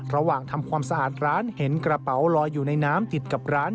ระหว่างทำความสะอาดร้านเห็นกระเป๋าลอยอยู่ในน้ำติดกับร้าน